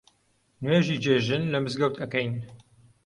نوێژی جێژن لە مزگەوت ئەکەین